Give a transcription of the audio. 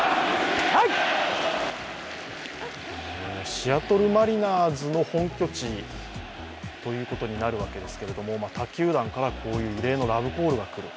シアトル・マリナーズの本拠地ということになるわけですけれども他球団からこういう異例のラブコールが来る。